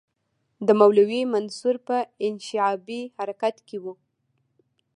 د مولوي منصور په انشعابي حرکت کې وو.